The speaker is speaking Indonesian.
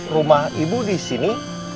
rumah ibu disini